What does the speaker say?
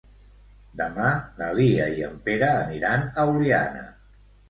Demà na Lia i en Pere aniran a Oliana.